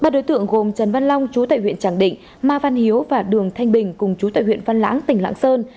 ba đối tượng gồm trần văn long chú tại huyện tràng định ma văn hiếu và đường thanh bình cùng chú tại huyện văn lãng tỉnh lạng sơn